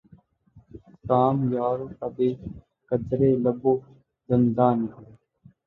کام یاروں کا بہ قدرٕ لب و دنداں نکلا